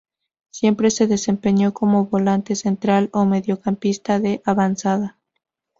Siempre se desempeñó como volante central o mediocampista de avanzada.